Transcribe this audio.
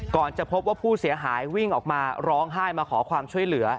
จะพบว่าผู้เสียหายวิ่งออกมาร้องไห้มาขอความช่วยเหลือ